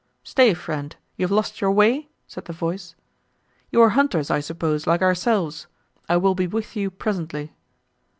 "Stay, friend, you have lost your way?" said the voice. "You are hunters, I suppose, like ourselves: I will be with you presently."